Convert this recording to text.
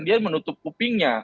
dia menutup kupingnya